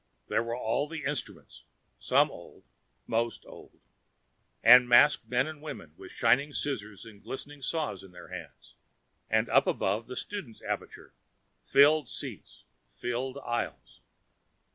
There were all the instruments, some old, most old, and the masked men and women with shining scissors and glistening saws in their hands. And up above, the students' aperture: filled seats, filled aisles.